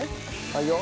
はいよ。